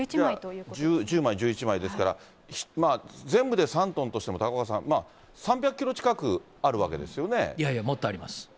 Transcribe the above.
１０枚、１１枚ですから、全部で３トンとしても、高岡さん、いやいや、もっとあります。